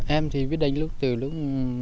em thì biết đánh lúc từ lúc